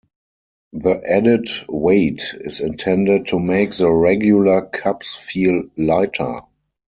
The added weight is intended to make the regular cups feel lighter.